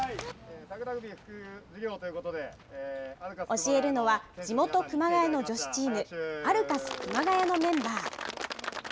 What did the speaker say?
教えるのは、地元熊谷の女子チーム、アルカスクマガヤのメンバー。